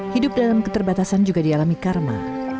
hidup dalam keterbatasan juga dialami karma